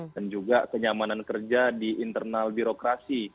dan juga kenyamanan kerja di internal birokrasi